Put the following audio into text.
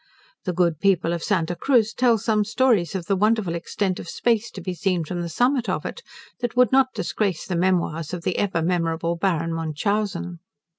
The good people of Santa Cruz tell some stories of the wonderful extent of space to be seen from the summit of it, that would not disgrace the memoirs of the ever memorable Baron Munchausen.